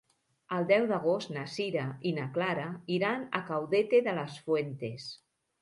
El deu d'agost na Sira i na Clara iran a Caudete de las Fuentes.